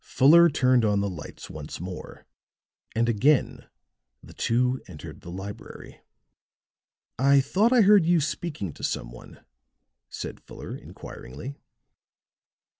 Fuller turned on the lights once more, and again the two entered the library. "I thought I heard you speaking to some one," said Fuller inquiringly.